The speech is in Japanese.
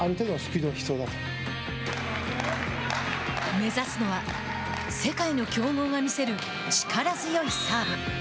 目指すのは世界の強豪が見せる力強いサーブ。